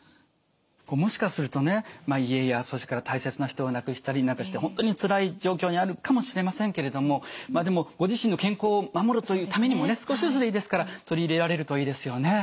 もしかするとね家やそれから大切な人をなくしたりなんかして本当につらい状況にあるかもしれませんけれどもでもご自身の健康を守るというためにもね少しずつでいいですから取り入れられるといいですよね。